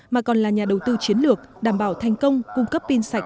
mà còn là nhà đầu tư chiến lược đảm bảo thành công cung cấp pin sạch